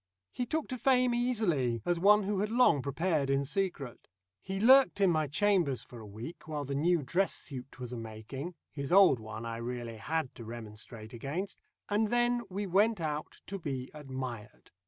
He took to fame easily, as one who had long prepared in secret. He lurked in my chambers for a week while the new dress suit was a making his old one I really had to remonstrate against and then we went out to be admired.